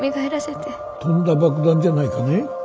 とんだ爆弾じゃないかね？